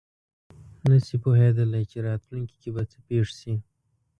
نه شي پوهېدلی چې راتلونکې کې به څه پېښ شي.